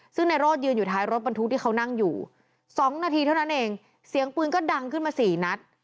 ซึ่งในโรดยืนอยู่ท้ายรถบรรทุกที่เขานั่งอยู่สองนาทีเท่านั้นเองเสียงปืนก็ดังขึ้นมาสี่นัด